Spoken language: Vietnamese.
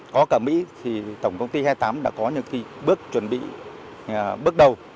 có cả mỹ thì tổng công ty hai mươi tám đã có những bước chuẩn bị bước đầu